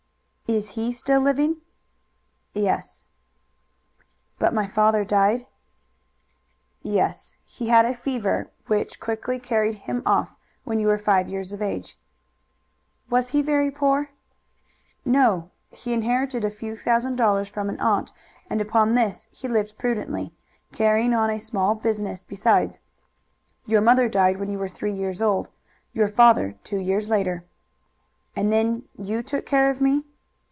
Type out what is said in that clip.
"Is he still living?" "Yes." "But my father died?" "Yes; he had a fever which quickly carried him off when you were five years of age." "Was he very poor?" "No; he inherited a few thousand dollars from an aunt, and upon this he lived prudently, carrying on a small business besides. Your mother died when you were three years old, your father two years later." "And then you took care of me?"